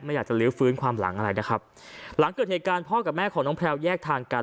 อยากจะลื้อฟื้นความหลังอะไรนะครับหลังเกิดเหตุการณ์พ่อกับแม่ของน้องแพลวแยกทางกัน